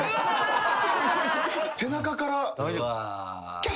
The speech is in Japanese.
背中から。